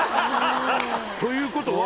ということは。